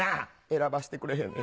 選ばしてくれへんねや。